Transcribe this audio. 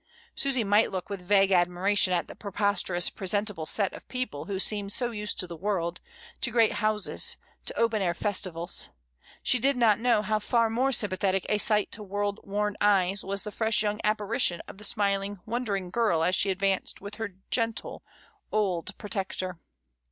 Susy might look with vague admiration at the prosperous presentable set of people who seemed so used to the world, to great houses, to open air festivals; she did not know how far more sympathetic a sight to world worn eyes was the fresh young apparition of the smiling, wondering girl as she advanced with her gentle, old IN A GIG. 29 protector.